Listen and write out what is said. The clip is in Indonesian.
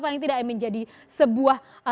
paling tidak menjadi sebuah